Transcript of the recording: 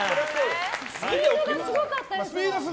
スピードはすごかった。